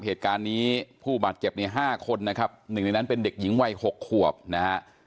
เหตุการณ์นี้ผู้บาดเจ็บใน๕คนนะครับหนึ่งในนั้นเป็นเด็กหญิงวัย๖ขวบนะฮะ